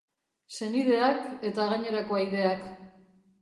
Senideak eta gainerako ahaideak.